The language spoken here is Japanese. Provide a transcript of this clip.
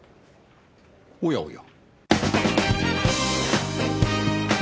おやおや。